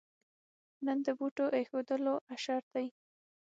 نن د بوټو اېښودلو اشر دی.